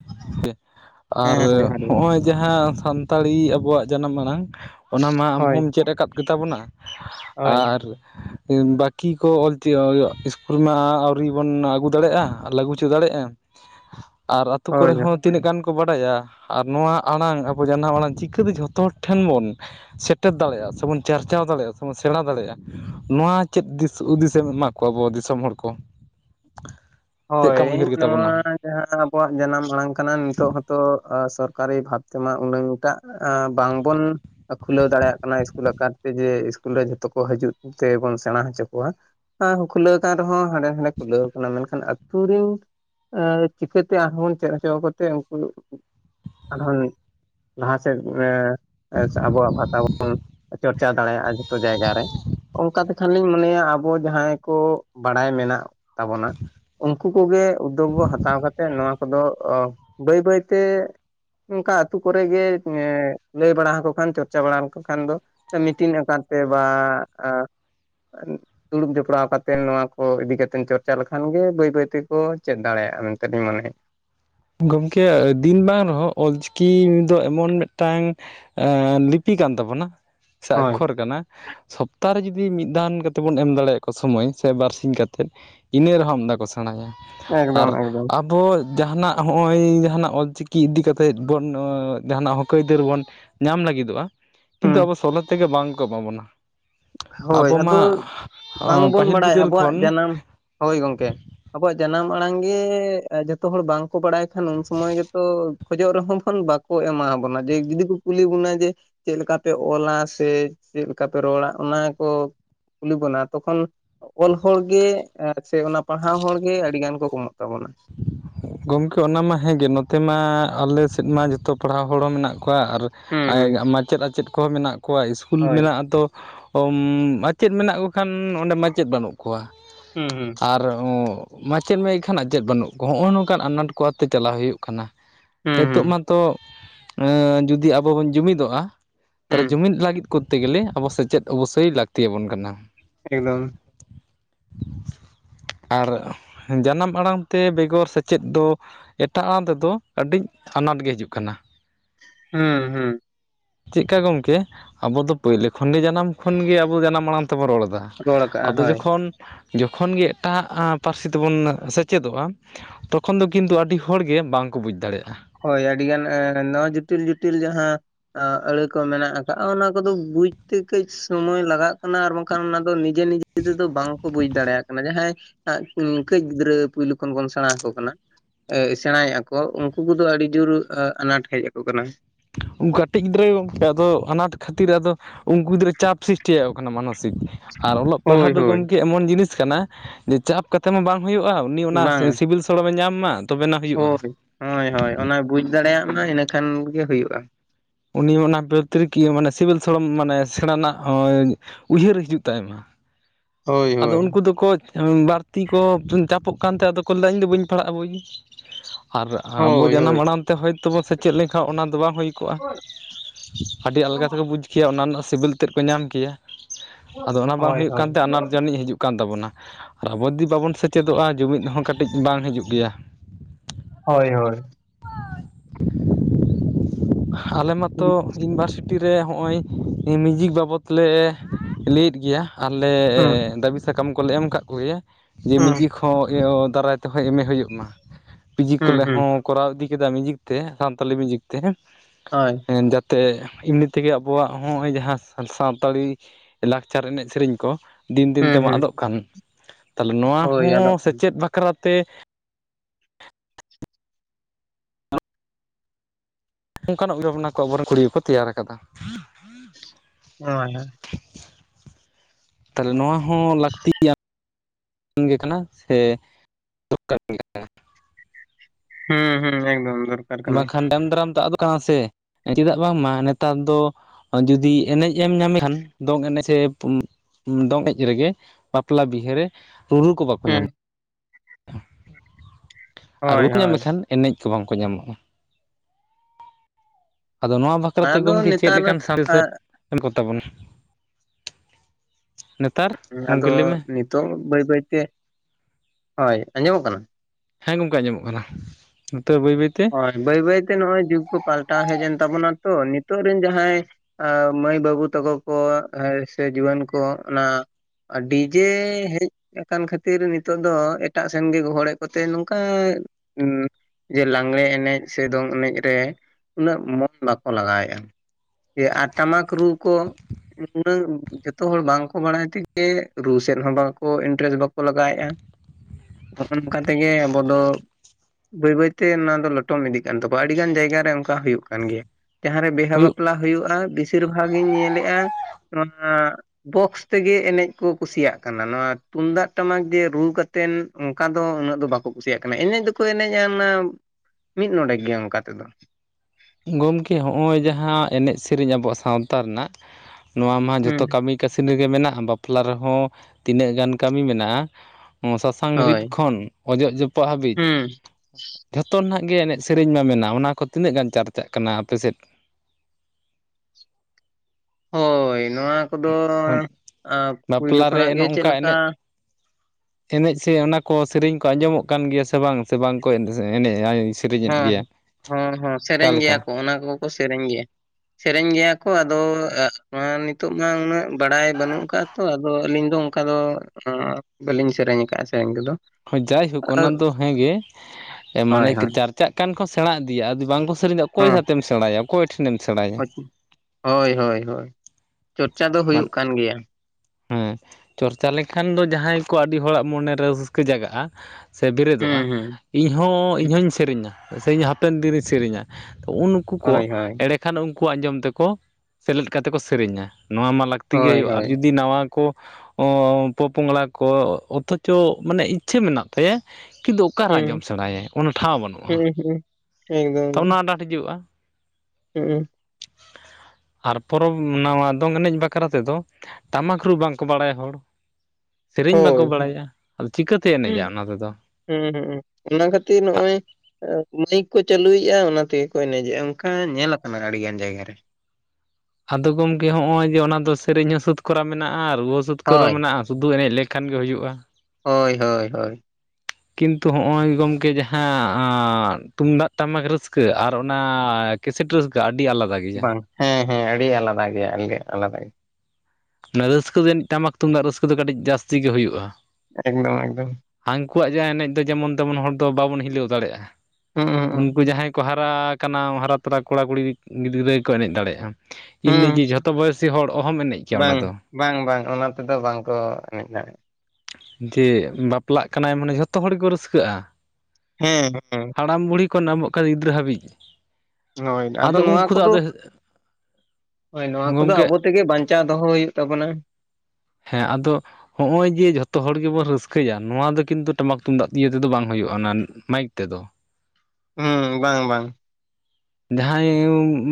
[unintelligible] ᱟᱨ ᱦᱮᱸ ᱡᱚᱦᱟᱨ ᱜᱮ᱾ ᱦᱚᱜᱼᱚᱭ ᱡᱟᱸᱦᱟ ᱥᱟᱱᱛᱟᱲᱤ ᱟᱵᱚᱣᱟᱜ ᱡᱟᱱᱟᱢ ᱟᱲᱟᱝ ᱚᱱᱟ ᱢᱟ ᱟᱢ ᱦᱳᱭ ᱦᱚᱢ ᱪᱮᱫ ᱟᱠᱟᱵᱫ ᱜᱮᱛᱟ ᱵᱚᱱᱟ ᱦᱳᱭ ᱟᱨ ᱵᱟᱹᱠᱤ ᱠᱚ [unintelligible] ᱟᱹᱣᱨᱤ ᱵᱚᱱ ᱟᱹᱜᱩ ᱫᱟᱲᱮᱭᱟᱜᱼᱟ ᱟᱨ ᱞᱟᱹᱜᱩ ᱦᱚᱪᱚ ᱫᱟᱲᱮᱭᱟᱜᱼᱟ ᱟᱨ ᱟᱹᱛᱳ ᱦᱳᱭ ᱠᱚᱨᱮ ᱦᱳᱭ᱾ ᱦᱚᱸ ᱛᱤᱱᱟᱹᱜ ᱜᱟᱱ ᱠᱚ ᱵᱟᱰᱟᱭᱟ ᱟᱨ ᱱᱚᱣᱟ ᱟᱲᱟᱝ ᱟᱵᱚ ᱡᱟᱱᱟᱢ ᱟᱲᱟᱝ ᱪᱤᱠᱟᱹᱛᱮ ᱡᱷᱚᱛᱚ ᱴᱷᱮᱱ ᱵᱚᱱ ᱥᱮᱴᱮᱨ ᱫᱟᱲᱮᱭᱟᱜᱼᱟ ᱥᱮ ᱵᱚᱱ ᱪᱟᱨᱪᱟᱣ ᱫᱟᱲᱮᱭᱟᱜᱼᱟ ᱥᱮ ᱵᱚᱱ ᱥᱮᱲᱟ ᱫᱟᱲᱮᱭᱟᱜᱼᱟ ᱱᱚᱣᱟ ᱪᱮᱫ ᱫᱤᱥ ᱦᱩᱸᱫᱤᱥ ᱮᱢ ᱮᱢᱟ ᱠᱚᱣᱟ ᱟᱵᱚ ᱫᱤᱥᱚᱢ ᱦᱚᱲ ᱠᱚ ᱪᱮᱫ ᱦᱳᱭ ᱞᱮᱠᱟᱢ ᱩᱭᱦᱟᱹᱨ ᱜᱮᱛᱟ ᱵᱚᱱᱟ ᱱᱚᱣᱟ [unintelligible] ᱟᱵᱚᱣᱟᱜ ᱡᱟᱱᱟᱢ ᱟᱲᱟᱝ ᱠᱟᱱᱟ ᱱᱤᱛᱚᱜ ᱦᱚᱸᱛᱚ ᱥᱚᱨᱠᱟᱨᱤ ᱵᱷᱟᱵᱽ ᱛᱮᱢᱟ ᱩᱱᱟᱹᱝ ᱴᱟᱜ ᱵᱟᱝ ᱵᱚᱱ ᱠᱷᱩᱞᱟᱹᱣ ᱫᱟᱲᱮᱭᱟᱜ ᱠᱟᱱᱟ ᱤᱥᱠᱩᱞ [unintelligible] ᱡᱮ ᱤᱥᱠᱩᱞ ᱨᱮ ᱡᱷᱚᱛᱚ ᱠᱚ ᱦᱤᱡᱩᱜ ᱛᱮᱵᱚᱱ ᱥᱮᱬᱟ ᱦᱚᱪᱚ ᱠᱚᱣᱟ ᱠᱷᱩᱞᱟᱹᱣ ᱟᱠᱟᱱ ᱨᱮᱦᱚᱸ ᱦᱟᱸᱰᱮ ᱦᱟᱸᱰᱮ ᱠᱷᱩᱞᱟᱹᱣ ᱠᱟᱱᱟ ᱢᱮᱱᱠᱷᱟᱱ [unintelligible] [unintelligible] ᱨᱮᱱ ᱪᱤᱠᱟᱹᱛᱮ ᱟᱨᱦᱚᱸ ᱵᱚᱱ ᱪᱮᱫ ᱦᱚᱪᱚ ᱠᱟᱛᱮᱫ ᱩᱱᱠᱩ [unintelligible] ᱞᱟᱦᱟ ᱥᱮᱫ ᱨᱮ ᱟᱵᱚᱣᱟᱜ ᱵᱷᱟᱥᱟ ᱵᱚᱱ ᱪᱚᱨᱪᱟ ᱫᱟᱲᱮᱭᱟᱜᱼᱟ ᱡᱷᱚᱛᱚ ᱡᱟᱭᱜᱟ ᱨᱮ ᱚᱝᱠᱟ ᱛᱮᱠᱷᱟᱱᱞᱤᱧ ᱢᱚᱱᱮᱭᱟ ᱟᱵᱚ ᱡᱟᱦᱟᱸᱭ ᱠᱚ ᱵᱟᱲᱟᱭ ᱢᱮᱱᱟᱜ ᱛᱟᱵᱚᱱᱟ ᱩᱱᱠᱩ ᱠᱚᱜᱮ ᱩᱫᱽᱫᱳᱜᱽ ᱵᱚ ᱦᱟᱛᱟᱣ ᱠᱟᱛᱮᱫ ᱱᱚᱣᱟ ᱠᱚᱫᱚ ᱵᱟᱹᱭ ᱵᱟᱹᱭ ᱛᱮ ᱚᱝᱠᱟ ᱟᱛᱩ ᱠᱚᱨᱮᱜ ᱜᱮ ᱞᱟᱹᱭ ᱵᱟᱲᱟ ᱟᱠᱚ ᱠᱷᱟᱱ ᱪᱚᱨᱪᱟ ᱵᱟᱲᱟ ᱟᱠᱚ ᱠᱷᱟᱱ ᱫᱚ ᱢᱤᱴᱤᱱ ᱟᱠᱟᱫ ᱛᱮ ᱵᱟᱻ ᱟ ᱫᱩᱲᱩᱵ ᱡᱚᱯᱲᱟᱣ ᱠᱟᱛᱮ ᱱᱚᱣᱟ ᱠᱚ ᱤᱫᱤ ᱠᱟᱛᱮ ᱪᱚᱨᱪᱟ ᱞᱮᱠᱷᱟᱱ ᱜᱮ [unintelligible] [unintelligible] ᱛᱮᱠᱚ ᱪᱮᱫ ᱫᱟᱲᱮᱭᱟᱜᱼᱟ ᱢᱮᱱᱛᱮᱫ ᱤᱧ ᱢᱚᱱᱮᱭᱟ ᱜᱚᱝᱠᱮ [unintelligible] ᱵᱟᱝ ᱨᱮᱦᱚᱸ ᱚᱞᱪᱤᱠᱤ ᱫᱚ ᱮᱢᱚᱱ ᱢᱤᱫ ᱴᱟᱝ ᱞᱤᱯᱤ ᱠᱟᱱ ᱛᱟᱵᱚᱱᱟ ᱥᱮ ᱦᱳᱭ ᱟᱠᱠᱷᱚᱨ ᱠᱟᱱᱟ ᱥᱚᱯᱛᱟ ᱨᱮ ᱡᱩᱫᱤ ᱢᱤᱫ ᱫᱟᱱ ᱠᱟᱛᱮᱫ ᱵᱚᱱ ᱮᱢ ᱫᱟᱲᱮᱭᱟ ᱠᱚᱣᱟ ᱥᱚᱢᱚᱭ ᱥᱮ ᱵᱟᱨ ᱥᱤᱧ ᱠᱟᱛᱮᱫ ᱤᱱᱟᱹ ᱨᱮᱦᱚᱸ ᱟᱢᱫᱟ ᱠᱚ ᱥᱮᱬᱟᱭᱟ ᱮᱠᱫᱚᱢ ᱟᱨ ᱮᱠᱫᱚᱢ ᱟᱵᱚ ᱡᱟᱦᱟᱸᱱᱟᱜ ᱦᱚᱸᱜᱼᱚᱭ ᱡᱟᱦᱟᱸᱱᱟᱜ ᱚᱞ ᱪᱤᱠᱤ ᱤᱫᱤ ᱠᱟᱛᱮᱫ ᱵᱚᱱ ᱡᱟᱦᱟᱸᱱᱟᱜ ᱦᱚᱠ ᱟᱹᱭᱫᱟᱹᱨ ᱵᱚᱱ ᱧᱟᱢ ᱞᱟᱹᱜᱤᱫᱚᱜᱼᱟ ᱦᱩᱸ ᱠᱤᱱᱛᱩ ᱟᱵᱚ ᱥᱚᱞᱦᱮ ᱛᱮᱜᱮ ᱵᱟᱝ ᱠᱚ ᱮᱢᱟ ᱵᱚᱱᱟ ᱦᱳᱭ ᱟᱵᱚ ᱢᱟ ᱟᱫᱚ ᱵᱟᱝᱵᱚᱱ ᱯᱟᱹᱦᱤᱞ ᱵᱟᱲᱟᱭᱟ ᱵᱤᱫᱟᱹᱞ ᱟᱵᱚᱣᱟᱜ ᱠᱷᱚᱱ ᱡᱟᱱᱟᱢ ᱦᱳᱭ ᱜᱚᱝᱠᱮ ᱟᱵᱚᱣᱟᱜ ᱡᱟᱱᱟᱢ ᱟᱲᱟᱝ ᱜᱮᱻ ᱡᱷᱚᱛᱚ ᱦᱚᱲ ᱵᱟᱝᱠᱚ ᱵᱟᱲᱟᱭ ᱠᱷᱟᱱ ᱩᱱ ᱥᱚᱢᱚᱭ ᱜᱮᱛᱚ ᱠᱷᱚᱡᱚᱜ ᱨᱮᱦᱚᱸ ᱵᱚᱱ ᱵᱟᱠᱚ ᱮᱢᱟ ᱵᱚᱱᱟ ᱡᱮ ᱡᱩᱫᱤ ᱠᱚ ᱠᱩᱞᱤ ᱵᱚᱱᱟ ᱡᱮ ᱪᱮᱫ ᱞᱮᱠᱟᱯᱮ ᱚᱞᱟ ᱥᱮ ᱪᱮᱫ ᱞᱮᱠᱟ ᱯᱮ ᱨᱚᱲᱟ ᱚᱱᱟ ᱠᱚ ᱠᱩᱞᱤ ᱵᱚᱱᱟ ᱛᱚᱠᱷᱚᱱ ᱚᱞ ᱦᱚᱲ ᱜᱮ ᱥᱮ ᱚᱱᱟ ᱯᱟᱲᱦᱟᱣ ᱦᱚᱲ ᱜᱮ ᱟᱹᱰᱤᱜᱟᱱ ᱠᱚ ᱠᱚᱢᱚᱜ ᱛᱟᱵᱚᱱᱟ [inaudible] ᱜᱚᱝᱠᱮ ᱚᱱᱟ ᱢᱟ ᱦᱮᱸᱜᱮ ᱱᱚᱛᱮ ᱢᱟ ᱟᱞᱮ ᱥᱮᱫ ᱢᱟ ᱡᱚᱛᱚ ᱯᱟᱲᱦᱟᱣ ᱦᱚᱲ ᱦᱚᱸ ᱢᱮᱱᱟᱜ ᱠᱚᱣᱟ ᱟᱨ ᱦᱩᱸ ᱦᱩᱸ ᱢᱟᱪᱮᱫ ᱟᱪᱮᱫ ᱠᱚ ᱢᱮᱱᱟᱜ ᱠᱚᱣᱟ ᱤᱥᱠᱩᱞ ᱦᱳᱭ ᱢᱮᱱᱟᱜᱼᱟ ᱛᱚ ᱢᱟᱪᱮᱫ ᱢᱮᱱᱟᱜ ᱠᱚᱠᱷᱟᱱ ᱚᱸᱰᱮ ᱢᱟᱪᱮᱫ ᱵᱟᱹᱱᱩᱜ ᱠᱚᱣᱟ᱾ ᱦᱩᱸ ᱦᱩᱸ ᱟᱨ ᱢᱟᱪᱮᱫ ᱢᱮᱱᱟᱜ ᱠᱷᱟᱱ ᱟᱨ ᱟᱪᱮᱫ ᱵᱟᱹᱱᱩᱜ ᱠᱚᱣᱟ ᱦᱚᱸᱜᱼᱚ ᱱᱚᱝᱠᱟᱱ ᱟᱱᱟᱴ ᱠᱚ ᱟᱛᱮ ᱪᱟᱞᱟᱣ ᱦᱩᱭᱩᱜ ᱠᱟᱱᱟ᱾ ᱦᱩᱸ ᱦᱩᱸ ᱱᱤᱛᱳᱜ ᱢᱟᱛᱚ ᱡᱩᱫᱤ ᱟᱵᱚ ᱵᱚᱱ ᱡᱩᱢᱤᱫᱚᱜᱼᱟ ᱛᱟᱦᱚᱞᱮ ᱦᱩᱸ ᱡᱩᱢᱤᱫ ᱞᱟᱹᱜᱤᱫ ᱠᱚᱨᱛᱮ ᱜᱮᱞᱮ ᱟᱵᱚ ᱥᱮᱪᱮᱫ ᱚᱵᱚᱥᱥᱳᱭ ᱞᱟᱹᱠᱛᱤᱭᱟᱵᱚᱱ ᱠᱟᱱᱟᱺ ᱮᱠᱫᱚᱢ [inaudible] ᱟᱨ ᱡᱟᱱᱟᱢ ᱟᱲᱟᱝ ᱛᱮ ᱵᱮᱜᱚᱨ ᱥᱮᱪᱮᱫ ᱫᱚ ᱮᱴᱟᱜ ᱟᱲᱟᱝ ᱛᱮᱫᱚ ᱟᱹᱰᱤ ᱟᱱᱟᱴ ᱜᱮ ᱦᱤᱡᱩᱜ ᱠᱟᱱᱟ᱾ ᱦᱩᱸ ᱦᱩᱸ ᱪᱮᱜᱠᱟ ᱜᱚᱝᱠᱮ ᱟᱵᱚ ᱫᱚ ᱯᱳᱭᱞᱳ ᱠᱷᱚᱱ ᱜᱮ ᱡᱟᱱᱟᱢ ᱠᱷᱚᱱ ᱜᱮ ᱟᱵᱚ ᱡᱟᱱᱟᱢ ᱟᱲᱟᱝ ᱛᱮᱵᱚᱱ ᱨᱚᱲ ᱫᱟ ᱨᱚᱲ ᱠᱟᱜᱼᱟ ᱟᱫᱚ ᱦᱳᱭ ᱡᱚᱠᱷᱚᱱ ᱡᱚᱠᱷᱚᱱ ᱜᱮ ᱮᱴᱟᱜ ᱯᱟᱹᱨᱥᱤ ᱛᱮᱵᱚᱱ ᱥᱮ ᱪᱮᱫᱚᱜᱼᱟ ᱛᱚᱠᱷᱚᱱ ᱫᱚ ᱠᱤᱱᱛᱩ ᱟᱹᱰᱤ ᱦᱚᱲᱜᱮ ᱵᱟᱝᱠᱚ ᱵᱩᱡᱽ ᱫᱟᱲᱮᱭᱟᱜᱼᱟ᱾ ᱦᱳᱭ ᱟᱹᱰᱤ ᱜᱟᱱ ᱱᱟᱣᱟ ᱡᱩᱴᱤᱞ ᱡᱩᱴᱤᱞ ᱡᱟᱦᱟᱸ ᱟᱹᱲᱟᱹ ᱠᱚ ᱢᱮᱱᱟᱜ ᱟᱠᱟᱜᱼᱟ ᱚᱱᱟ ᱠᱚᱫᱚ ᱵᱩᱡᱽ ᱛᱮ ᱠᱟᱹᱡ ᱥᱚᱢᱚᱭ ᱞᱟᱜᱟᱜ ᱠᱟᱱᱟ ᱟᱨ ᱵᱟᱝᱠᱷᱟᱱ ᱚᱱᱟ ᱫᱚ ᱱᱤᱡᱮ ᱱᱤᱡᱮ ᱛᱮᱫᱚ ᱵᱟᱝ ᱠᱚ ᱵᱩᱡᱽ ᱫᱟᱲᱮᱭᱟᱜ ᱠᱟᱱᱟ ᱡᱟᱦᱟᱸᱭ ᱠᱟᱹᱡ ᱜᱤᱫᱽᱨᱟᱹ ᱯᱳᱭᱞᱳ ᱠᱷᱚᱱ ᱵᱚᱱ ᱥᱮᱬᱟ ᱟᱠᱚ ᱠᱟᱱᱟ ᱥᱮᱬᱟᱭᱮᱜ ᱟᱠᱚ ᱩᱝᱠᱩ ᱠᱚᱫᱚ ᱟᱹᱰᱤ ᱡᱳᱨ ᱟᱱᱟᱴ ᱦᱮᱡ ᱟᱠᱚ ᱠᱟᱱᱟ᱾ ᱠᱟᱹᱴᱤᱡ ᱜᱤᱫᱽᱨᱟᱹ ᱜᱚᱝᱠᱮ ᱟᱫᱚ ᱟᱱᱟᱴ ᱠᱷᱟᱹᱛᱤᱨ ᱟᱫᱚ ᱩᱱᱠᱩ ᱜᱤᱫᱽᱨᱟᱹ ᱪᱟᱯ ᱥᱨᱤᱥᱴᱤᱭᱟᱠᱚ ᱠᱟᱱᱟ ᱢᱟᱱᱚᱥᱤᱠ ᱟᱨ ᱚᱞᱚᱜ ᱦᱳᱭ ᱯᱟᱲᱦᱟᱜ ᱫᱚ ᱦᱳᱭ ᱜᱚᱝᱠᱮ ᱮᱢᱚᱱ ᱡᱤᱱᱤᱥ ᱠᱟᱱᱟ ᱡᱮ ᱪᱟᱯ ᱠᱟᱛᱮ ᱢᱟ ᱵᱟᱝ ᱦᱩᱭᱩᱜᱼᱟ ᱩᱱᱤ ᱚᱱᱟ ᱵᱟᱝ ᱥᱤᱵᱤᱞ ᱥᱚᱲᱚᱢᱮ ᱧᱟᱢ ᱢᱟ ᱛᱚᱵᱮᱱᱟ ᱦᱩᱭᱩᱜᱼᱟ᱾ ᱦᱳᱭ ᱦᱳᱭ ᱦᱳᱭ ᱚᱱᱟ ᱵᱩᱡᱽ ᱫᱟᱲᱮᱭᱟᱜ ᱢᱟᱭ ᱤᱱᱟᱹ ᱠᱷᱟᱱ ᱜᱮ ᱦᱩᱭᱩᱜᱼᱟ᱾ ᱩᱱᱤ ᱚᱱᱟ [unintelligible] ᱢᱟᱱᱮ ᱥᱤᱵᱤᱞ ᱥᱚᱲᱚᱢ ᱢᱟᱱᱮ ᱥᱮᱬᱟ ᱨᱮᱱᱟᱜ ᱦᱚᱸ ᱩᱭᱦᱟᱹᱨ ᱦᱤᱡᱩᱜ ᱛᱟᱭᱢᱟ ᱦᱳᱭ ᱟᱫᱚ ᱦᱳᱭ ᱩᱱᱠᱩ ᱫᱚ ᱠᱚᱪ ᱵᱟᱹᱲᱛᱤ ᱠᱚ ᱪᱟᱯᱚᱜ ᱠᱟᱱ ᱛᱮ ᱟᱫᱚ ᱠᱚ ᱞᱟᱹᱭᱟ ᱤᱧᱫᱚ ᱵᱟᱹᱧ ᱯᱟᱲᱦᱟᱜᱼᱟ ᱵᱳᱭ ᱜᱮ ᱟᱨ ᱟᱵᱚ ᱦᱳᱭ ᱡᱟᱱᱟᱢ ᱦᱳᱭ ᱟᱲᱟᱝ ᱛᱮ ᱦᱚᱭᱛᱳ ᱵᱚ ᱥᱮᱪᱮᱫ ᱞᱮᱱᱠᱷᱟᱱ ᱚᱱᱟ ᱫᱚ ᱵᱟᱝ ᱦᱩᱭ ᱠᱚᱜᱼᱟ ᱟᱹᱰᱤ ᱟᱞᱜᱟ ᱦᱳᱭ ᱛᱮᱠᱚ ᱵᱩᱡᱽ ᱠᱮᱭᱟ ᱚᱱᱟ ᱨᱮᱱᱟᱜ ᱥᱤᱵᱤᱞ ᱛᱮᱫ ᱠᱚ ᱧᱟᱢ ᱠᱮᱭᱟ ᱟᱫᱚ ᱚᱱᱟ ᱵᱟᱝ ᱦᱩᱭᱩᱜ ᱦᱳᱭ ᱠᱟᱱᱛᱮ ᱟᱱᱟᱴ ᱡᱟᱹᱱᱤᱡ ᱦᱤᱡᱩᱜ ᱠᱟᱱ ᱛᱟᱵᱚᱱᱟ ᱟᱨ ᱟᱵᱚ ᱡᱩᱫᱤ ᱵᱟᱵᱚᱱ ᱥᱮᱪᱮᱫᱚᱜᱼᱟ ᱡᱩᱢᱤᱫ ᱦᱚᱸ ᱠᱟᱹᱴᱤᱡ ᱵᱟᱝ ᱦᱤᱡᱩᱜ ᱜᱮᱭᱟ ᱦᱳᱭ ᱦᱳᱭ [inaudible] ᱟᱞᱮ ᱢᱟᱛᱚ ᱦᱩᱸ ᱤᱭᱩᱱᱤᱵᱷᱟᱨᱥᱤ ᱴᱤᱨᱮ ᱦᱚᱸᱜᱼᱚᱭ ᱢᱤᱭᱩᱡᱤᱠ ᱵᱟᱵᱚᱛᱞᱮ ᱞᱟᱹᱭᱮᱫ ᱜᱮᱭᱟ ᱟᱨᱞᱮ ᱦᱩᱸ ᱫᱟᱹᱵᱤ ᱥᱟᱠᱟᱢ ᱠᱚᱞᱮ ᱮᱢ ᱠᱟᱜ ᱠᱚᱜᱮᱭᱟ ᱡᱮ ᱦᱩᱸ ᱢᱤᱭᱩᱡᱤᱠ ᱦᱚᱸ ᱫᱟᱨᱟᱭ ᱛᱮᱦᱚᱸ ᱮᱢᱮ ᱦᱩᱭᱩᱜ ᱢᱟ ᱯᱤᱡᱤ ᱠᱚᱞᱮ ᱦᱩᱸ ᱦᱚᱸ ᱠᱚᱨᱟᱣ ᱤᱫᱤ ᱠᱮᱫᱟ ᱢᱤᱭᱩᱡᱤᱠ ᱛᱮ ᱥᱟᱱᱛᱟᱞᱤ ᱢᱤᱭᱩᱡᱤᱠ ᱛᱮ ᱦᱳᱭ ᱡᱟᱛᱮ ᱮᱢᱱᱤ ᱛᱮᱜᱮ ᱟᱵᱚᱣᱟᱜ ᱦᱚᱸ ᱦᱚᱸᱜᱼᱚᱭ ᱡᱟᱦᱟᱸ ᱥᱟᱱᱛᱟᱲᱤ [inaudible] ᱞᱟᱠᱪᱟᱨ ᱮᱱᱮᱡ ᱥᱮᱨᱮᱧ ᱠᱚ ᱫᱤᱱ ᱫᱤᱱ ᱦᱩᱸ ᱛᱮᱢᱟ ᱦᱩᱸ ᱟᱫᱚᱜ ᱠᱟᱱ ᱛᱟᱦᱞᱮ ᱱᱚᱣᱟ ᱦᱳᱭ ᱦᱚᱸ ᱟᱫᱚᱜ ᱠᱟᱱᱟ ᱥᱮᱪᱮᱫ ᱵᱟᱠᱷᱨᱟ ᱛᱮ ᱚᱱᱠᱟ ᱱᱟᱜ ᱩᱭᱦᱟᱹᱨᱟ ᱵᱷᱟᱵᱱᱟ ᱠᱚ ᱟᱵᱚᱨᱮᱱ ᱠᱩᱲᱤ ᱠᱚᱠᱚ ᱛᱮᱭᱟᱨ ᱠᱟᱫᱟ [inaudible] ᱛᱟᱞᱞᱮ ᱱᱚᱣᱟ ᱦᱚᱸ ᱞᱟᱹᱠᱛᱟᱱ [unintelligible] ᱜᱮ ᱠᱟᱱᱟ ᱥᱮ ᱥᱚᱨᱠᱟᱨ ᱜᱮ ᱠᱟᱱᱟ [unintelligible] ᱦᱩᱸ ᱦᱩᱸ ᱮᱠᱫᱚᱢ ᱫᱷ [inaudible] ᱵᱟᱝᱠᱷᱟᱱ ᱛᱟᱭᱚᱢ ᱫᱟᱨᱟᱢ ᱫᱟᱜ ᱟᱫ ᱠᱟᱱᱟ ᱥᱮ ᱪᱮᱫᱟᱜ ᱵᱟᱝᱢᱟ ᱱᱮᱛᱟᱨ ᱫᱚ [inaudible] ᱡᱩᱫᱤ ᱮᱱᱮᱡ ᱮᱢ ᱧᱟᱢᱮᱠᱷᱟᱱ ᱫᱚᱝ ᱮᱱᱮᱡ ᱥᱮ [inaudible] ᱫᱚᱝ ᱮᱱᱮᱡ ᱨᱮᱜᱮ ᱵᱟᱯᱞᱟ ᱵᱤᱦᱟᱹᱨᱮ ᱨᱩᱨᱩ ᱠᱚ ᱵᱟᱠᱚ ᱦᱩᱸ ᱧᱟᱢᱚᱜ [inaudible] ᱟᱨ ᱦᱳᱭ ᱨᱩᱜ ᱧᱟᱢ ᱦᱳᱭ ᱞᱮᱠᱷᱟᱱ ᱮᱱᱮᱡ ᱠᱚ ᱵᱟᱝ ᱠᱚ ᱧᱟᱢᱚᱜᱼᱟ ᱟᱫᱚ ᱱᱚᱣᱟ ᱵᱟᱠᱷᱨᱟ [unintelligible] ᱵᱟᱠᱷᱨᱟᱛᱮ ᱟᱫᱚ ᱜᱚᱢᱠᱮ ᱪᱮᱫ ᱱᱮᱛᱟᱨ ᱞᱮᱠᱟᱱ ᱥᱟᱸᱫᱮᱥ ᱟᱜ ᱮᱢ ᱠᱚᱛᱟ ᱵᱚᱱᱟᱢ [inaudible] ᱱᱮᱛᱟᱨ ᱜᱚᱢᱠᱮ ᱟᱫᱚ ᱞᱟᱹᱭ ᱢᱮ ᱱᱤᱛᱚᱝ ᱵᱟᱹᱭ ᱵᱟᱹᱭᱛᱮ ᱦᱳᱭ ᱟᱸᱡᱚᱢᱚᱜ ᱠᱟᱱᱟ [inaudible] ᱦᱮᱸ ᱜᱚᱝᱠᱮ ᱧᱟᱢᱚᱜ ᱠᱟᱱᱟ ᱱᱤᱛᱚᱜ ᱵᱟᱹᱭ ᱵᱟᱹᱭᱛᱮ [inaudible] ᱦᱚᱭ ᱵᱟᱹᱭ ᱵᱟᱹᱭᱛᱮ ᱱᱚᱜᱼᱚᱭ ᱡᱩᱜᱽ ᱠᱚ ᱯᱟᱞᱴᱟᱣ ᱦᱮᱡ ᱮᱱ ᱛᱟᱵᱚᱱᱟ ᱛᱚ ᱱᱤᱛᱚᱜ ᱨᱮᱱ ᱡᱟᱦᱟᱸᱭ [inaudible] ᱢᱟᱹᱭ ᱵᱟᱹᱵᱩ ᱛᱟᱠᱚ ᱠᱚ ᱥᱮ ᱡᱩᱣᱟᱹᱱ ᱠᱚ ᱚᱱᱟ [inaudible] ᱟᱨ ᱰᱤᱡᱮ ᱦᱮᱡ [unintelligible] ᱮ ᱟᱠᱟᱱ ᱠᱷᱟᱹᱛᱤᱨ ᱱᱤᱛᱚᱜ ᱫᱚ ᱮᱴᱟᱜ ᱥᱮᱱ ᱜᱮ ᱜᱚᱦᱚᱲᱮᱫ ᱠᱚᱛᱮ ᱱᱚᱝᱠᱟ [inaudible] ᱦᱩᱸ ᱞᱟ [unintelligible] ᱞᱟᱜᱽᱲᱮ ᱮᱱᱮᱡ ᱥᱮ ᱫᱚᱝ ᱮᱱᱮᱡ ᱨᱮ ᱩᱱᱟᱹᱜ ᱢᱚᱱ ᱵᱟᱠᱚ ᱞᱟᱜᱟᱣᱮᱫᱼᱟ [inaudible] ᱡᱮ ᱟᱨ ᱴᱟᱢᱟᱠ ᱨᱩ ᱠᱚ ᱩᱱᱟᱹᱜ ᱡᱚᱛᱚ ᱦᱚᱲ ᱵᱟᱝᱠᱚ ᱵᱟᱲᱟᱭ ᱛᱮᱜᱮ ᱨᱩ ᱥᱮᱫ ᱦᱚᱸ ᱵᱟᱝᱠᱚ ᱤᱱᱴᱟᱨᱮᱥᱴ ᱵᱟᱠᱚ ᱞᱟᱜᱟᱣᱮᱫᱼᱟ [inaudible] ᱚᱱᱼᱚ ᱱᱚᱝᱠᱟ ᱛᱮᱜᱮ ᱟᱵᱚ ᱫᱚ ᱵᱟᱹᱭ ᱵᱟᱹᱭᱛᱮ [unintelligible] ᱱᱚᱣᱟ ᱫᱚ ᱞᱚᱴᱚᱢ ᱤᱫᱤᱜ ᱠᱟᱱ ᱛᱟᱵᱚᱣᱟ ᱟᱹᱰᱤ ᱜᱟᱱ ᱡᱟᱭᱜᱟ ᱨᱮ ᱚᱱᱠᱟ ᱦᱩᱭᱩᱜ ᱠᱟᱱ ᱜᱮᱭᱟ [inaudible] ᱡᱟᱦᱟᱸᱨᱮ ᱵᱤᱦᱟᱹ ᱦᱩᱭᱩᱜ ᱵᱟᱯᱞᱟ ᱦᱩᱭᱩᱜᱼᱟ ᱵᱮᱥᱤᱨ ᱵᱷᱟᱜᱽ ᱤᱧ ᱧᱮᱞᱮᱫᱼᱟ ᱱᱚᱣᱟ [inaudible] ᱵᱚᱠᱥ ᱛᱮᱜᱮ ᱮᱱᱮᱡ ᱠᱚ ᱠᱩᱥᱤᱭᱟᱜ ᱠᱟᱱᱟ ᱱᱚᱣᱟ ᱛᱩᱢᱫᱟᱜ ᱴᱟᱢᱟᱠ ᱡᱮ ᱨᱩ ᱠᱟᱛᱮᱱ [unintelligible] [unintelligible] ᱚᱱᱠᱟ ᱫᱚ ᱩᱱᱟᱹᱜ ᱫᱚ ᱵᱟᱠᱚ ᱠᱩᱥᱤᱭᱟᱜ ᱠᱟᱱᱟ ᱮᱱᱮᱡ ᱫᱚᱠᱚ ᱮᱱᱮᱡᱼᱟ [inaudible] ᱢᱤᱫ ᱱᱚᱰᱮᱠ ᱜᱮᱭᱟ ᱚᱱᱠᱟ ᱛᱮᱫᱚ [inaudible] ᱜᱚᱢᱠᱮ ᱦᱚᱸᱜᱼᱚᱭ ᱡᱟᱦᱟᱸ ᱮᱱᱮᱡ ᱥᱮᱨᱮᱧ ᱟᱵᱚᱣᱟᱜ ᱥᱟᱶᱛᱟ ᱨᱮᱱᱟᱜ ᱱᱚᱣᱟ ᱢᱟ ᱦᱩᱸ ᱡᱚᱛᱚ ᱠᱟᱹᱢᱤ ᱠᱟᱹᱥᱱᱤ ᱜᱮ ᱢᱮᱱᱟᱜᱼᱟ ᱵᱟᱯᱞᱟ ᱨᱮᱦᱚᱸ ᱛᱤᱱᱟᱹᱜ ᱜᱟᱱ ᱠᱟᱹᱢᱤ ᱢᱮᱱᱟᱜᱼᱟ [inaudible] ᱥᱟᱥᱟᱝ ᱨᱤᱫ ᱦᱳᱭ ᱠᱷᱚᱱ ᱚᱡᱚᱜ ᱡᱚᱯᱟᱜ ᱦᱟᱹᱵᱤᱡ ᱦᱩᱸ [inaudible] ᱡᱷᱚᱛᱚ ᱨᱮᱱᱟᱜ ᱜᱮ ᱮᱱᱮᱡ ᱥᱮᱨᱮᱧ ᱢᱟ ᱢᱮ ᱚᱱᱟ ᱠᱚ ᱛᱤᱱᱟᱹᱜ ᱜᱟᱱ ᱪᱟᱨᱪᱟᱜ ᱠᱟᱱᱟ ᱟᱯᱮᱥᱮᱫ [inaudible] ᱦᱳᱭ ᱱᱚᱣᱟ ᱠᱚᱫᱚ ᱯᱩᱭᱞᱩ ᱵᱟᱯᱞᱟ ᱠᱷᱚᱱᱟᱜ ᱨᱮ ᱜᱮ ᱪᱮᱫ ᱱᱚᱜᱼᱚᱝᱠᱟ ᱞᱮᱠᱟ ᱮᱱᱮᱡ [inaudible] ᱮᱱᱮᱡ ᱥᱮ ᱚᱱᱟ ᱠᱚ ᱥᱮᱨᱮᱧ ᱠᱚ ᱟᱸᱡᱚᱢᱚᱜ ᱠᱟᱱ ᱜᱮᱭᱟ ᱥᱮ ᱵᱟᱝ ᱥᱮ ᱵᱟᱝ ᱠᱚ ᱮᱱᱮᱡ [inaudible] ᱦᱚᱸ ᱦᱚᱸ ᱦᱚᱸ ᱚᱠᱟ ᱥᱮᱨᱮᱧ ᱞᱮᱠᱟ ᱜᱮᱭᱟ ᱠᱚ ᱚᱱᱟ ᱠᱚᱜᱮ ᱠᱚ ᱥᱮᱨᱮᱧ ᱜᱮᱭᱟ [inaudible] ᱥᱮᱨᱮᱧ ᱜᱮᱭᱟ ᱠᱚ ᱟᱫᱚ ᱱᱤᱛᱚᱜ ᱢᱟ ᱩᱱᱟᱹᱜ ᱵᱟᱲᱟᱭ ᱵᱟᱹᱱᱩᱜ ᱟᱠᱟᱫ [inaudible] ᱛᱚ ᱟᱫᱚ ᱟᱹᱞᱤᱧ ᱫᱚ ᱚᱱᱠᱟ ᱫᱚ ᱵᱟᱹᱞᱤᱧ ᱥᱮᱨᱮᱧ ᱟᱠᱟᱫᱼᱟ ᱥᱮᱨᱮᱧ ᱠᱚᱫᱚ [inaudible] ᱡᱟᱭᱦᱳᱠ ᱚᱱᱟ ᱟᱨ ᱫᱚ ᱦᱮᱸᱜᱮ ᱢᱟᱱᱮ ᱦᱳᱭ ᱦᱳᱭ ᱪᱟᱨ [inaudible] ᱪᱟᱜᱠᱟᱱ ᱠᱚ ᱥᱮᱬᱟ ᱤᱫᱤᱭᱟ ᱟ ᱵᱟᱝᱠᱚ ᱥᱮᱨᱮᱧᱟ ᱚᱠᱚᱭ ᱦᱚᱸ ᱦᱟᱛᱮᱢ ᱥᱮᱬᱟᱭᱟ ᱚᱠᱚᱭ ᱴᱷᱮᱱᱮᱢ ᱥᱮᱬᱟᱭᱟ [inaudible] ᱦᱳᱭ ᱦᱳᱭ ᱦᱳᱭ ᱪᱚᱨᱪᱟ ᱫᱚ ᱦᱩᱭᱩᱜ ᱠᱟᱱ ᱜᱮᱭᱟ [inaudible] ᱦᱮᱸ ᱪᱚᱨᱪᱟ ᱞᱮᱠᱷᱟᱱ ᱫᱚ ᱡᱟᱦᱟᱸᱭ ᱠᱚ ᱟᱹᱰᱤ ᱦᱚᱲᱟᱜ ᱢᱚᱱᱮᱨᱮ ᱨᱟᱹᱥᱠᱟᱹ ᱡᱟᱜᱟᱜᱼᱟ [inaudible] ᱥᱮ ᱦᱩᱸ ᱵᱮᱨᱮᱫᱚᱜᱼᱟ ᱦᱩᱸ ᱤᱧᱦᱚᱸ ᱤᱧᱦᱚᱧ ᱥᱮᱨᱮᱧᱟ ᱥᱮ ᱤᱧ ᱦᱟᱯᱮᱱ ᱫᱤᱱᱤᱧ ᱥᱮᱨᱮᱧᱟ ᱛᱚ ᱩᱱ [inaudible] ᱩᱱᱠᱩ ᱠᱚ ᱦᱳᱭ ᱦᱳᱭ ᱮᱲᱮ ᱠᱷᱟᱱ ᱩᱱᱠᱩ ᱟᱸᱡᱚᱢ ᱛᱮᱠᱚ ᱥᱮᱞᱮᱫ ᱠᱟᱛᱮ ᱠᱚ ᱥᱮᱨᱮᱧᱟ ᱱᱚᱣᱟ ᱢᱟ ᱞ [inaudible] ᱞᱟᱹᱠᱛᱤ ᱜᱮ ᱦᱳᱭ ᱦᱩᱭᱩᱜᱼᱟ ᱟᱨ ᱦᱳᱭ ᱡᱩᱫᱤ ᱱᱟᱣᱟ [inaudible] ᱯᱚᱯᱚᱝᱲᱟ ᱠᱚ ᱚᱛᱷᱚᱪᱚ ᱢᱟᱱᱮ ᱤᱪᱪᱷᱟᱹ ᱢᱮᱱᱟᱜ ᱛᱟᱭᱟ [inaudible] ᱠᱤᱱᱛᱩ ᱚᱠᱟᱨᱮ ᱟᱸᱡᱚᱢ ᱦᱩᱸ ᱥᱮᱬᱟᱭᱟᱭ ᱚᱱᱟ ᱴᱷᱟᱶ ᱵᱟᱹᱱᱩᱜᱼᱟ ᱦᱩᱸ ᱦᱩᱸ ᱛᱚ ᱚᱱᱟ ᱟᱰᱟᱴ ᱦᱤᱡᱩᱜᱼᱟ [inaudible] ᱦᱮ [unintelligible] [unintelligible] ᱟᱨ ᱯᱚᱨᱚᱵᱽ ᱱᱟᱣᱟ [inaudible] ᱫᱚᱝ ᱮᱱᱮᱡ ᱵᱟᱠᱷᱨᱟ ᱛᱮᱫᱚ ᱴᱟᱢᱟᱠ ᱨᱩ ᱵᱟᱝᱠᱚ ᱵᱟᱲᱟᱭᱟ ᱦᱚᱲ [inaudible] ᱥᱮᱨᱮᱧ ᱵᱟᱠᱚ ᱦᱳᱭ ᱵᱟᱲᱟᱭᱟ ᱟᱫᱚ ᱪᱤᱠᱟᱹᱛᱮ ᱮᱱᱮᱡᱟ ᱚᱱᱟ ᱛᱮᱫᱚ [inaudible] ᱦᱩᱸ ᱦᱩᱸ ᱚᱱᱟ ᱠᱷᱟᱛᱤᱨ ᱱᱚᱜᱼᱚᱭ [inaudible] ᱢᱟᱭᱤᱠ ᱠᱚ ᱪᱟᱹᱞᱩᱭᱮᱫᱼᱟ ᱚᱱᱟ ᱛᱮᱜᱮ ᱠᱚ ᱮᱱᱮᱡᱮᱜᱼᱟ ᱚᱱᱠᱟ ᱧᱮᱞ ᱟᱠᱟᱱᱟ ᱟᱹᱰᱤ ᱜᱟᱱ ᱡᱟᱭᱜᱟ ᱨᱮ [inaudible] ᱟᱫᱚ ᱜᱚᱢᱠᱮ ᱦᱚᱸᱜᱼᱚᱭ ᱡᱮ ᱚᱱᱟ ᱫᱚ ᱥᱮᱨᱮᱧ ᱦᱚᱸ ᱥᱟᱹᱛ ᱠᱚᱟ ᱢᱮᱱᱟᱜᱼᱟ ᱨᱩᱣᱟᱹ ᱥᱟᱹᱛ ᱠᱚᱚᱨᱟ ᱦᱳᱭ ᱢᱮᱱᱟᱜᱼᱟ ᱥᱩᱫᱷᱩ ᱮᱱᱮᱡ ᱞᱮᱠᱷᱟᱱ ᱜᱮ ᱦᱩᱭᱩᱜᱼᱟ ᱦᱳᱭ ᱦᱳᱭ ᱦᱳᱭ ᱠᱤᱱᱛᱩ ᱦᱚᱜᱼᱚᱭ ᱜᱚᱢᱠᱮ ᱡᱟᱦᱟᱸ ᱛᱩᱢᱫᱟᱜ ᱴᱟᱢᱟᱠ ᱨᱟᱹᱥᱠᱟᱹ ᱟᱨ ᱚᱱᱟ ᱠᱮᱥᱮᱴ ᱨᱟᱹᱥᱠᱟᱹ ᱟᱹᱰᱤ ᱟᱞᱟᱫᱟ ᱜᱮ ᱵᱟᱝ ᱦᱮᱸ ᱦᱮᱸ ᱟᱹᱰᱤ ᱟᱞᱟᱫᱟ ᱜᱮᱭᱟ ᱟᱞ ᱟᱞᱟᱫᱟ ᱜᱮ ᱨᱟᱹᱥᱠᱟᱹ ᱫᱚ ᱡᱟᱹᱱᱤᱡ ᱴᱟᱢᱟᱠ ᱛᱩᱢᱫᱟᱜ ᱨᱟᱹᱥᱠᱟᱹ ᱫᱚ ᱠᱟᱹᱴᱤᱡ ᱡᱟᱹᱥᱛᱤ ᱜᱮ ᱦᱩᱭᱩᱜᱼᱟ ᱮᱠᱫᱚᱢ ᱮᱠᱫᱚᱢ ᱦᱟᱹᱱᱠᱩᱣᱟᱜ ᱡᱟᱦᱟᱸ ᱮᱱᱮᱡ ᱫᱚ ᱡᱮᱢᱚᱱ ᱛᱮᱢᱚᱱ ᱦᱚᱲ ᱫᱚ ᱵᱟᱵᱚᱱ ᱦᱤᱞᱟᱹᱣ ᱫᱟᱲᱮᱭᱟᱜᱼᱟ ᱦᱩᱸ ᱦᱩᱸ ᱦᱩᱸ ᱩᱱᱠᱩ ᱡᱟᱦᱟᱸᱭ ᱠᱚ ᱦᱟᱨᱟ ᱟᱠᱟᱱᱟ ᱦᱟᱨᱟ ᱛᱚᱨᱟ ᱠᱚᱲᱟ ᱠᱩᱲᱤ ᱜᱤᱫᱽᱨᱟᱹ ᱜᱮᱠᱚ ᱮᱱᱮᱡ ᱫᱟᱲᱮᱭᱟᱜᱼᱟ᱾ ᱮᱢᱱᱤ ᱦᱩᱸ ᱡᱮ ᱡᱷᱚᱛᱚ ᱵᱚᱭᱥᱤᱤ ᱦᱚᱲ ᱚᱦᱚᱢ ᱮᱱᱮᱡ ᱠᱮᱭᱟ ᱚᱱᱟ ᱵᱟᱝ ᱫᱚ ᱵᱟᱝ ᱵᱟᱝ ᱚᱱᱟ ᱛᱮᱫᱚ ᱵᱟᱝᱠᱚ ᱮᱱᱮᱡ ᱫᱟᱲᱮᱭᱟᱜᱼᱟ ᱡᱮ ᱵᱟᱯᱞᱟᱜ ᱠᱟᱱᱟᱭ ᱢᱟᱱᱮ ᱡᱷᱚᱛᱚ ᱦᱚᱲ ᱜᱮᱠᱚ ᱨᱟᱹᱥᱠᱟᱹᱜᱼᱟ ᱦᱮᱸ ᱦᱮᱸ ᱦᱟᱲᱟᱢ ᱵᱩᱲᱦᱤ ᱠᱚ ᱟᱢᱚᱜ ᱠᱟᱱ ᱠᱟᱱᱟ ᱜᱤᱫᱽᱨᱟᱹ ᱦᱟᱹᱵᱤᱡ ᱦᱳᱭ ᱟᱫᱚ ᱱᱚᱣᱟ ᱩᱱᱠᱩ ᱫᱚ ᱠᱚᱫᱚ ᱟᱫᱚ ᱦᱳᱭ ᱱᱚᱣᱟ ᱠᱚᱫᱚ ᱜᱚᱢᱠᱮ ᱟᱵᱚ ᱛᱮᱜᱮ ᱵᱟᱧᱪᱟᱣ ᱫᱚᱦᱚ ᱦᱩᱭᱩᱜ ᱛᱟᱵᱚᱱᱟ ᱦᱮᱸ ᱟᱫᱚ ᱦᱚᱜᱼᱚᱭ ᱡᱮ ᱡᱷᱚᱛᱚ ᱦᱚᱲ ᱜᱮᱵᱚᱱ ᱨᱟᱹᱥᱠᱟᱹᱭᱟ ᱱᱚᱣᱟ ᱫᱚ ᱠᱤᱱᱛᱩ ᱴᱟᱢᱟᱠ ᱛᱩᱢᱫᱟᱜ ᱤᱭᱟᱹᱮ ᱛᱮᱫᱚ ᱵᱟᱝ ᱦᱩᱭᱩᱜᱼᱟ᱾ ᱚᱱᱟ ᱢᱟᱭᱤᱠ ᱛᱮᱫᱚ ᱦᱩᱸ ᱵᱟᱝ ᱵᱟᱝ ᱡᱟᱦᱟᱸᱭ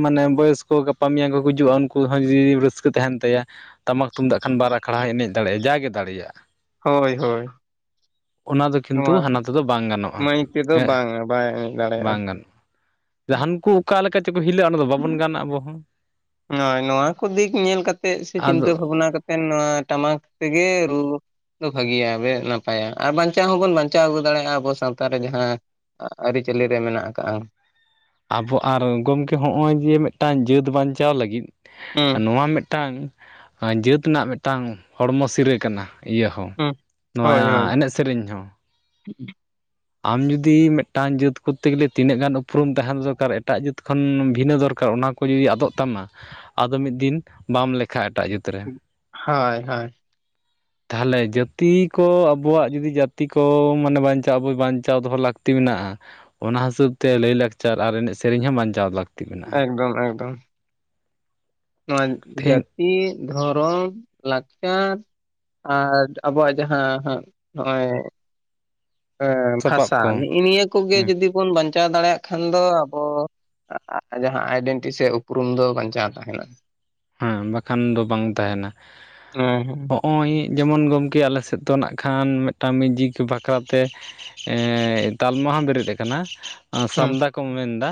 ᱢᱟᱱᱮ ᱵᱚᱭᱚᱥ ᱠᱚ ᱜᱟᱯᱟ ᱢᱮᱭᱟᱝ ᱠᱚ ᱜᱩᱡᱩᱜᱼᱟ, ᱩᱱᱠᱩ ᱦᱚᱸ ᱡᱩᱫᱤ ᱨᱟᱹᱥᱠᱟᱹ ᱛᱟᱦᱮᱱ ᱛᱟᱭᱟ ᱴᱟᱢᱟᱠ ᱛᱩᱢᱫᱟᱜ ᱠᱷᱟᱱ ᱵᱟᱨ ᱟᱠᱷᱲᱟ ᱦᱚᱸᱭ ᱮᱱᱮᱡ ᱫᱟᱲᱮᱭᱟᱜᱼᱟ ᱡᱟᱜᱮ ᱫᱟᱲᱭᱟᱜᱼᱟ ᱦᱳᱭ ᱦᱳᱭ ᱫᱚ ᱱᱚᱣᱟ ᱠᱤᱱᱛᱩ ᱦᱟᱱᱟ ᱛᱮᱫᱚ ᱵᱟᱝ ᱜᱟᱱᱚᱜᱼᱟ ᱢᱟᱹᱭᱩᱠ ᱛᱮᱫᱚ ᱦᱮᱸ ᱵᱟᱝᱟ ᱵᱟᱭ ᱮᱱᱮᱡ ᱫᱟᱲᱮᱭᱟᱜᱼᱟ ᱡᱟᱦᱟᱱ ᱠᱩ ᱚᱠᱟ ᱞᱮᱠᱟ ᱪᱚᱠᱚ ᱦᱤᱞᱟᱹᱜᱼᱟ? ᱚᱱᱟ ᱫᱚ ᱵᱟᱵᱚᱱ ᱜᱟᱱᱼᱟᱵᱚ ᱦᱚᱸ᱾ ᱱᱚᱜ ᱱᱚᱣᱟ ᱠᱚ ᱫᱤᱠ ᱧᱮᱞ ᱠᱟᱛᱮᱜ ᱥᱮ ᱪᱤᱱᱛᱟᱹ ᱟᱫᱚ ᱵᱷᱟᱵᱱᱟ ᱠᱟᱛᱮᱜ ᱮᱠᱮᱱ ᱱᱚᱣᱟ ᱴᱟᱢᱟᱠ ᱛᱮᱜᱮ ᱨᱩ ᱵᱷᱟᱹᱜᱤᱭᱟ ᱱᱟᱯᱟᱭᱟ ᱟᱨ ᱵᱟᱧᱪᱟᱣ ᱦᱚᱸᱵᱚᱱ ᱵᱟᱧᱪᱟᱣ ᱟᱹᱜᱩ ᱫᱟᱲᱮᱭᱟᱜᱼᱟ ᱟᱵᱚ ᱥᱟᱶᱛᱟ ᱨᱮ ᱡᱟᱦᱟᱸ ᱟᱹᱨᱤᱪᱟᱹᱞᱤ ᱨᱮ ᱢᱮᱱᱟᱜ ᱟᱠᱟᱜᱼᱟ ᱟᱵᱚ ᱟᱨ ᱜᱚᱢᱠᱮ ᱦᱚᱸᱜᱼᱚᱭ ᱡᱮ ᱢᱤᱫᱴᱟᱝ ᱡᱟᱹᱛ ᱵᱟᱧᱪᱟᱣ ᱞᱟᱹᱜᱤᱫ ᱦᱩᱸ ᱱᱚᱣᱟ ᱢᱤᱫᱴᱟᱝ ᱡᱟᱹᱛ ᱨᱮᱱᱟᱜ ᱢᱤᱫᱴᱟᱝ ᱦᱚᱲᱢᱚ ᱥᱤᱨᱟᱹ ᱠᱟᱱᱟ ᱤᱭᱟᱹ ᱦᱚᱸ ᱦᱩᱸ ᱱᱚᱣᱟ ᱦᱳᱭ ᱦᱳᱭ ᱮᱱᱮᱡ ᱥᱮᱨᱮᱧ ᱦᱚᱸ [unintelligible] ᱟᱢ ᱡᱩᱫᱤ ᱢᱤᱫᱴᱟᱝ ᱡᱟᱹᱛ ᱠᱚᱨᱛᱮ ᱜᱮᱞᱮ ᱛᱤᱱᱟᱹᱜ ᱜᱟᱱ ᱩᱯᱨᱩᱢ ᱛᱟᱦᱮᱱ ᱫᱚᱨᱠᱟᱨ ᱮᱴᱟᱜ ᱡᱟᱹᱛ ᱠᱷᱚᱱ ᱵᱷᱤᱱᱟᱹ ᱫᱚᱨᱠᱟᱨ ᱚᱱᱟ ᱠᱚ ᱡᱩᱫᱤ ᱟᱫᱚᱜ ᱛᱟᱢᱟ ᱟᱫᱚ ᱢᱤᱫ ᱫᱤᱱ ᱵᱟᱢ ᱞᱮᱠᱷᱷᱟ ᱮᱴᱟᱜ ᱡᱟᱹᱛ ᱨᱮ ᱦᱳᱭ ᱦᱳᱭ ᱛᱟᱦᱚᱞᱮ ᱡᱟᱹᱛᱤ ᱠᱚ ᱟᱵᱚᱣᱟᱜ ᱡᱩᱫᱤ ᱡᱟᱹᱛᱤ ᱠᱚ ᱢᱟᱱᱮ ᱵᱟᱧᱪᱟᱣ ᱟᱵᱚᱭ ᱵᱟᱧᱪᱟᱣ ᱫᱚᱦᱚ ᱞᱟᱹᱠᱛᱤ ᱢᱮᱱᱟᱜᱼᱟ ᱚᱱᱟ ᱦᱤᱥᱟᱹᱵᱽ ᱛᱮ ᱞᱟᱹᱭ ᱞᱟᱠᱪᱟᱨ ᱟᱨ ᱮᱱᱮᱡ ᱥᱮᱨᱮᱧ ᱦᱚᱸ ᱵᱟᱧᱪᱟᱣ ᱞᱟᱹᱠᱛᱤ ᱢᱮᱱᱟᱜᱼᱟ ᱮᱠᱫᱚᱢ ᱮᱠᱫᱚᱢ ᱱᱚᱣᱟ ᱛᱮᱦᱮᱧ ᱡᱟᱹᱛᱤ ᱫᱷᱚᱨᱚᱢ ᱞᱟᱠᱪᱟᱨ ᱟᱨ ᱟᱵᱚᱣᱟᱜ ᱡᱟᱦᱟ ᱦᱟᱸᱜ ᱱᱚᱜᱼᱚᱭ ᱥᱟᱯᱟᱵ ᱵᱷᱟᱥᱟ ᱠᱚ ᱱᱮᱜᱼᱮ ᱱᱤᱭᱟᱹ ᱠᱚᱜᱮ ᱦᱩᱸ ᱡᱩᱫᱤ ᱵᱚᱱ ᱵᱟᱧᱪᱟᱣ ᱫᱟᱲᱮᱭᱟᱜ ᱠᱷᱟᱱ ᱫᱚ ᱟᱵᱚ ᱡᱟᱦᱟᱸ ᱟᱭᱰᱮᱱᱴᱤᱴᱤ ᱥᱮ ᱩᱯᱨᱩᱢ ᱫᱚ ᱵᱟᱧᱪᱟᱣ ᱛᱟᱦᱮᱱᱟ᱾ ᱦᱮᱸ ᱵᱟᱠᱷᱟᱱ ᱫᱚ ᱵᱟᱝ ᱛᱟᱦᱮᱱᱟ᱾ ᱦᱮᱸ ᱦᱮᱸ ᱱᱚᱜᱼᱚᱭ ᱡᱮᱢᱚᱱ ᱜᱚᱢᱠᱮ ᱟᱞᱮ ᱥᱮᱫ ᱫᱚ ᱱᱟᱜ ᱠᱷᱟᱱ ᱢᱤᱫᱴᱟᱝ ᱢᱤᱭᱡᱤᱠ ᱵᱟᱠᱷᱨᱟ ᱛᱮ ᱮ ᱛᱟᱞᱢᱟ ᱦᱚᱸ ᱵᱮᱨᱮᱫ ᱠᱟᱱᱟ ᱦᱩᱸ ᱥᱟᱢᱫᱟ ᱠᱚᱢ ᱢᱮᱱᱫᱟ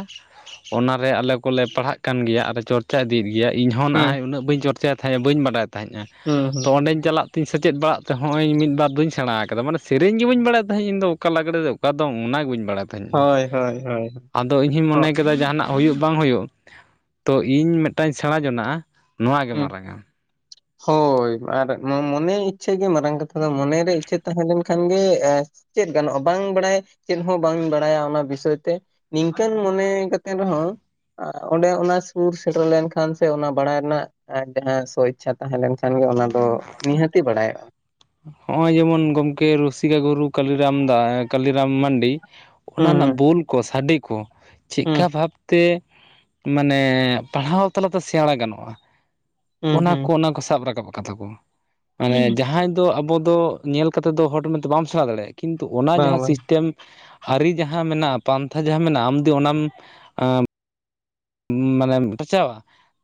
ᱚᱱᱟᱨᱮ ᱟᱞᱮ ᱠᱚᱞᱮ ᱯᱟᱲᱦᱟᱜ ᱠᱟᱱ ᱜᱮᱭᱟ ᱟᱨᱞᱮ ᱪᱚᱨᱪᱟ ᱤᱫᱤᱭᱮᱫ ᱜᱮᱭᱟ ᱦᱩᱸ ᱩᱱᱟᱹᱜ ᱵᱟᱹᱧ ᱪᱚᱨᱪᱟᱭ ᱛᱟᱦᱮᱸᱜᱼᱟ ᱵᱟᱹᱧ ᱵᱟᱰᱟᱭ ᱛᱟᱦᱮᱸᱜᱼᱟ ᱦᱩᱸ ᱦᱩᱸ ᱛᱚ ᱚᱸᱰᱮᱧ ᱪᱟᱞᱟᱜ ᱛᱤᱧ ᱥᱮᱪᱮᱫ ᱵᱟᱲᱟᱜ ᱛᱮᱦᱚᱧ ᱢᱤᱫ ᱵᱟᱨ ᱫᱚᱧ ᱥᱮᱬᱟ ᱟᱠᱟᱫᱟ᱾ᱢᱟᱱᱮ ᱥᱮᱨᱮᱧ ᱜᱮ ᱵᱟᱹᱧ ᱵᱟᱲᱟᱭᱮᱫ ᱛᱟᱦᱮᱸᱫ ᱤᱧᱫᱚ ᱚᱠᱟ ᱞᱟᱜᱽᱲᱮ ᱫᱚ ᱚᱠᱟ ᱫᱚ ᱚᱱᱟᱜᱮ ᱵᱟᱹᱧ ᱵᱟᱲᱟᱭ ᱛᱟᱦᱮᱸᱫ ᱦᱳᱭ ᱦᱳᱭ ᱦᱳᱭ ᱟᱫᱚ ᱤᱧᱦᱚᱧ ᱢᱚᱱᱮ ᱦᱚᱜ ᱠᱮᱫᱟ ᱡᱟᱦᱟᱱᱟᱜ ᱦᱩᱭᱩᱜ ᱵᱟᱝ ᱦᱩᱭᱩᱜ ᱛᱚ ᱤᱧ ᱢᱤᱫᱴᱟᱝᱧ ᱥᱮᱬᱟ ᱡᱚᱱᱟᱜ-ᱟ ᱱᱚᱣᱟ ᱜᱮ ᱦᱩᱸ ᱢᱟᱨᱟᱝ ᱟ [inaudible] ᱦᱳᱭ ᱟᱨ ᱱᱚᱣᱟ ᱢᱚᱱᱮ ᱤᱪᱪᱷᱟᱹ ᱜᱮ ᱢᱟᱨᱟᱝ ᱠᱟᱛᱷᱟ ᱫᱚ ᱢᱚᱱᱮᱨᱮ ᱤᱪᱪᱷᱟᱹ ᱛᱟᱦᱮᱸ ᱞᱮᱱ ᱠᱷᱟᱱ ᱜᱮ ᱪᱮᱫ ᱜᱟᱱᱚᱜᱼᱟ ᱵᱟᱝ ᱵᱟᱲᱟᱭ ᱪᱮᱫ ᱦᱚᱸ ᱵᱟᱝ ᱵᱟᱲᱟᱭᱟ ᱚᱱᱟ ᱵᱤᱥᱚᱭ ᱛᱮ ᱱᱤᱝᱠᱟᱹᱱ ᱢᱚᱱᱮ ᱠᱟᱛᱮ ᱨᱮᱦᱚᱸ ᱚᱸᱰᱮ ᱚᱱᱟ ᱥᱩᱨ ᱥᱮᱴᱮᱨ ᱞᱮᱱᱠᱷᱟᱱ ᱥᱮ ᱚᱱᱟ ᱵᱟᱲᱟᱭ ᱨᱮᱱᱟᱜ ᱟᱨ ᱡᱟᱦᱟᱸ ᱥᱚ ᱤᱪᱪᱷᱟ ᱛᱟᱦᱮᱸ ᱞᱮᱱᱠᱷᱟᱱ ᱜᱮ ᱚᱱᱟ ᱫᱚ ᱱᱤᱦᱟᱹᱛᱤ ᱵᱟᱲᱟᱭᱚᱜᱼᱟ ᱦᱚᱸᱜᱼᱚᱭ ᱡᱮᱢᱚᱱ ᱜᱚᱝᱠᱮ ᱨᱩᱥᱤᱠᱟ ᱜᱩᱨᱩ ᱠᱟᱞᱤᱨᱟᱢ ᱫᱟ ᱠᱟᱞᱤᱨᱟᱢ ᱢᱟᱱᱰᱤ ᱚᱱᱟ ᱦᱩᱸ ᱨᱮᱱᱟᱜ ᱦᱩᱸ ᱵᱩᱞ ᱠᱚ ᱥᱟᱰᱮ ᱠᱚ ᱪᱮᱫᱠᱟ ᱦᱩᱸ ᱵᱷᱟᱵᱽ ᱛᱮ ᱢᱟᱱᱮ ᱯᱟᱲᱦᱟᱣ ᱛᱟᱞᱟᱛᱮ ᱥᱮᱬᱟ ᱜᱟᱱᱚᱜᱼᱟ ᱦᱩᱸ ᱚᱱᱟ ᱦᱩᱸ ᱠᱚ ᱚᱱᱟ ᱠᱚ ᱥᱟᱵ ᱨᱟᱠᱟᱵ ᱟᱠᱟᱫᱟ ᱠᱚᱢ ᱢᱟᱱᱮ ᱡᱟᱦᱟᱸᱭ ᱫᱚ ᱟᱵᱚ ᱫᱚ ᱧᱮᱞ ᱠᱟᱛᱮᱫ ᱫᱚ ᱦᱚᱲᱛᱮ ᱵᱟᱢ ᱥᱮᱬᱟ ᱫᱟᱲᱮᱭᱟᱜᱼᱟ ᱠᱤᱱᱛᱩ ᱚᱱᱟ ᱵᱟᱝ ᱡᱟᱦᱟᱸ ᱵᱟᱝ ᱥᱤᱥᱴᱮᱢ ᱟᱹᱨᱤ ᱡᱟᱦᱟᱸ ᱢᱮᱱᱟᱜᱼᱟ ᱯᱟᱱᱛᱷᱟ ᱡᱟᱦᱟᱸ ᱢᱮᱱᱟᱜᱼᱟ ᱟᱢᱫᱤ ᱚᱱᱟᱢ ᱢᱟᱱᱮᱢ ᱨᱟᱪᱟᱣᱟ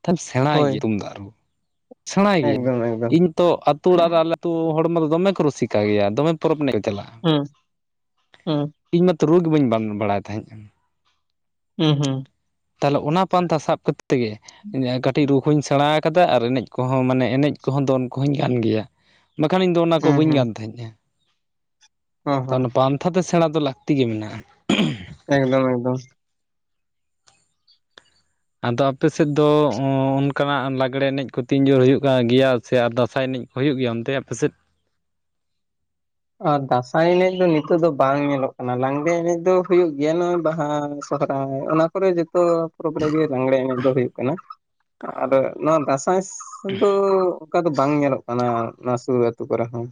ᱛᱮ ᱥᱮᱬᱟᱭ ᱦᱳᱭ ᱜᱮᱭᱟ ᱛᱩᱢᱫᱟᱜ ᱨᱩ ᱥᱮᱬᱟᱭ ᱜᱤᱭᱟᱹᱧ ᱮᱠᱫᱚᱢ ᱮᱠᱫᱚᱢ ᱤᱧ ᱛᱚ ᱟᱹᱛᱩ ᱚᱲᱟᱜ ᱨᱮ ᱛᱚ ᱦᱚᱲᱢᱚ ᱫᱚᱢᱮ ᱠᱚ ᱨᱩᱥᱤᱠᱟ ᱜᱮᱭᱟ ᱫᱚᱢᱮ ᱯᱚᱨᱚᱵᱽ ᱮᱱᱮᱡ ᱠᱚ ᱪᱟᱞᱟᱜᱼᱟ ᱦᱮᱸ ᱦᱮᱸ ᱤᱧ ᱢᱟᱛᱚ ᱨᱩᱣ ᱜᱮ ᱵᱟᱹᱧ ᱵᱟᱲᱟᱭ ᱛᱟᱦᱮᱸᱫᱼᱟ ᱦᱩᱸ ᱦᱩᱸ ᱛᱟᱦᱚᱞᱮ ᱚᱱᱟ ᱯᱟᱱᱛᱷᱟ ᱥᱟᱵᱛ ᱠᱛᱮᱜᱮ ᱠᱟᱹᱴᱤᱡ ᱨᱩᱜᱽ ᱦᱚᱸᱧ ᱥᱮᱬᱟ ᱠᱟᱫᱟ ᱟᱨ ᱮᱱᱮᱡ ᱠᱚᱦᱚᱸ ᱢᱟᱱᱮ ᱮᱱᱮᱡ ᱠᱚᱦᱚᱸ ᱫᱚᱱ ᱠᱚᱦᱚᱧ ᱜᱟᱱ ᱜᱮᱭᱟ ᱵᱟᱠᱷᱟᱱ ᱤᱧ ᱫᱚ ᱚᱱᱟ ᱠᱚ ᱦᱩᱸ ᱵᱟᱹᱧ ᱜᱟᱱ ᱛᱟᱦᱮᱸᱫᱼᱟ ᱦᱩᱸ ᱛ ᱦᱩᱸ ᱚᱱᱟ ᱯᱟᱱᱛᱷᱟ ᱛᱮ ᱥᱮᱬᱟ ᱫᱚ ᱞᱟᱹᱠᱛᱤ ᱜᱮ ᱢᱮᱱᱟᱜᱼᱟ ᱮᱠᱫᱚᱢ ᱮᱠᱫᱚᱢ ᱟᱫᱚ ᱟᱯᱮ ᱥᱮᱫ ᱫᱚ ᱚᱱᱠᱟᱱᱟᱜ ᱞᱟᱜᱽᱲᱮ ᱮᱱᱮᱡ ᱠᱚ ᱛᱤᱱ ᱡᱳᱨ ᱦᱩᱭᱩᱜ ᱠᱟᱱ ᱜᱮᱭᱟ ᱥᱮ ᱟᱨ ᱫᱟᱸᱥᱟᱭ ᱮᱱᱮᱡ ᱦᱩᱭᱩᱜ ᱜᱮᱭᱟ ᱚᱱᱛᱮ ᱟᱯᱮᱥᱮᱫ ᱟᱨ ᱫᱟᱸᱥᱟᱭ ᱮᱱᱮᱡ ᱫᱚ ᱱᱤᱛᱚᱜ ᱫᱚ ᱵᱟᱝ ᱧᱮᱞᱚᱜ ᱠᱟᱱᱟ ᱞᱟᱜᱽᱲᱮ ᱮᱱᱮᱡ ᱫᱚ ᱦᱩᱭᱩᱜ ᱜᱮᱭᱟ ᱱᱚᱜᱼᱚᱭ ᱵᱟᱦᱟ ᱥᱚᱦᱨᱟᱭ ᱚᱱᱟ ᱠᱚᱨᱮ ᱡᱚᱛᱚ ᱯᱚᱨᱚᱵᱽ ᱨᱮᱜᱮ ᱞᱟᱸᱜᱽᱲᱮ ᱮᱱᱮᱡ ᱫᱚ ᱦᱩᱭᱩᱜ ᱠᱟᱱᱟ ᱟᱫᱚ ᱱᱚᱣᱟ ᱫᱟᱸᱥᱟᱭ ᱫᱚ ᱚᱱᱠᱟ ᱫᱚ ᱵᱟᱝ ᱧᱮᱞᱚᱜ ᱠᱟᱱᱟ ᱱᱚᱣᱟ ᱥᱩᱨ ᱟ ᱟᱹᱛᱩ ᱠᱚᱨᱮ ᱦᱚᱸ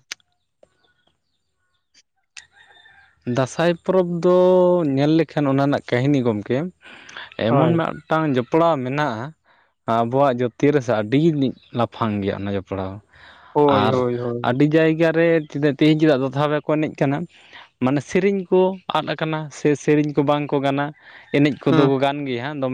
ᱫᱟᱸᱥᱟᱭ ᱯᱚᱨᱚᱵᱽ ᱫᱚ ᱧᱮᱞ ᱞᱮᱠᱷᱟᱱ ᱚᱱᱟ ᱨᱮᱱᱟᱜ ᱠᱟᱹᱦᱱᱤ ᱜᱚᱢᱠᱮ ᱮᱢᱚᱱ ᱦᱳᱭ ᱢᱟ ᱢᱤᱫᱴᱟᱝ ᱡᱚᱯᱲᱟᱣ ᱢᱮᱱᱟᱜᱼᱟ ᱟᱵᱚᱣᱟᱜ ᱡᱟᱹᱛᱤ ᱨᱮ ᱥᱮ ᱟᱹᱰᱤ ᱞᱟᱯᱷᱟᱝ ᱜᱮᱭᱟ ᱚᱱᱟ ᱡᱚᱯᱲᱟᱣ ᱫᱚ ᱦᱳᱭ ᱟᱨ ᱦᱳᱭ ᱦᱳᱭ ᱟᱹᱰᱤ ᱡᱟᱭᱜᱟ ᱨᱮ ᱛᱮᱦᱮᱧ ᱪᱮᱫᱟᱜ ᱫᱚ ᱫᱷᱟᱮ ᱠᱚ ᱮᱱᱮᱡ ᱠᱟᱱᱟ ᱢᱟᱱᱮ ᱥᱮᱨᱮᱧ ᱠᱚ ᱟᱫ ᱟᱠᱟᱱᱟ ᱥᱮ ᱥᱮᱨᱮᱧ ᱠᱚ ᱵᱟᱝᱠᱚ ᱜᱟᱱᱟ ᱮᱱᱮᱡ ᱦᱩᱸ ᱠᱚᱫᱚ ᱠᱚ ᱜᱟᱱ ᱜᱮᱭᱟ ᱦᱟᱜ